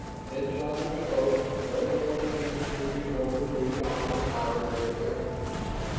Then Saunders spoke, running both hands through his unruly shock of fiery red hair.